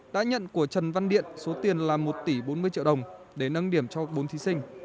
đã nhận của trần văn điện số tiền là một tỷ bốn mươi triệu đồng để nâng điểm cho bốn thí sinh